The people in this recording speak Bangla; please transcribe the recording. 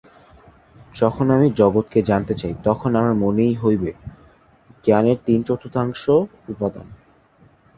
যখন আমি জগৎকে জানিতে চাই, তখন আমার মনই হইবে জ্ঞানের তিন-চতুর্থাংশ উপাদান।